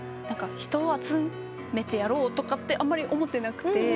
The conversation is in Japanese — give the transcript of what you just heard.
人を集めてやろうとかってあんまり思ってなくて。